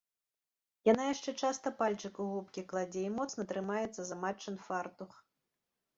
Яна яшчэ часта пальчык у губкі кладзе і моцна трымаецца за матчын фартух.